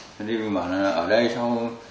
thế thì mình bảo là ở đây sao